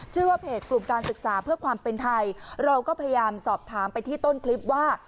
ชื่อว่าเพจกลุ่มการศึกษาเพื่อความเป็นไทยเราก็พยายามสอบถามไปที่ต้นคลิปว่า